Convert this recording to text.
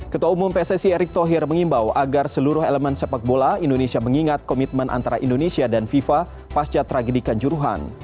ketua umum pssi erick thohir mengimbau agar seluruh elemen sepak bola indonesia mengingat komitmen antara indonesia dan fifa pasca tragedikan juruhan